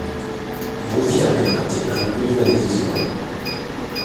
Molti campionati hanno più di una divisione.